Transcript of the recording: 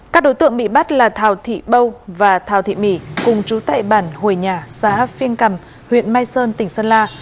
các đối tượng bị bắt là thảo thị bâu và thảo thị mỹ cùng chú tại bản hồi nhà xã phiêng cầm huyện mai sơn tỉnh sơn la